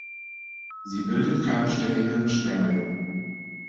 Sie bildet keine sterilen Stängel.